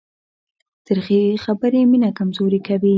تریخې خبرې مینه کمزورې کوي.